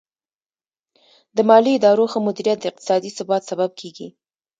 د مالي ادارو ښه مدیریت د اقتصادي ثبات سبب کیږي.